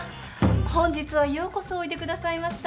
本日はようこそおいでくださいました。